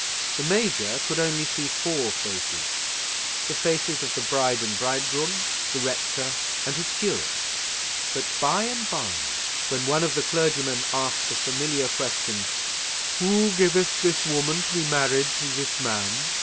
The Major could only see four faces;—the faces of the bride and bridegroom, the rector, and his curate. But by and by, when one of the clergymen asked the familiar question—"_Who giveth this woman to be married, to this man?